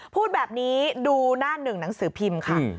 พูดแบบนี้ดูหน้าหนึ่งหนังสือพิมพ์ค่ะ